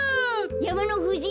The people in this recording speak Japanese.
やまのふじ